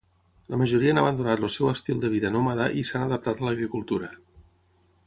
La majoria han abandonat el seu estil de vida nòmada i s'han adaptat a l'agricultura.